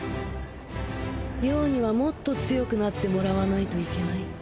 葉にはもっと強くなってもらわないといけない。